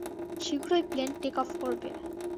শীঘ্রই plane take off করবে।